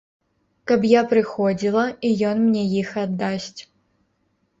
Каб я прыходзіла і ён мне іх аддасць.